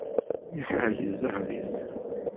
Iḥerrek ẓẓher-is.